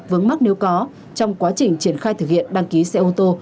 vướng mắt nếu có trong quá trình triển khai thực hiện đăng ký xe ô tô